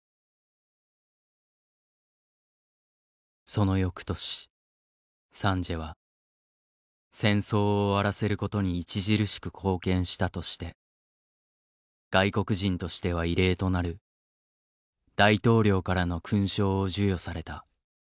その翌年サンジエは戦争を終わらせることに著しく貢献したとして外国人としては異例となる大統領からの勲章を授与された。